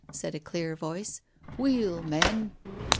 said a clear voice. "Wheel, men."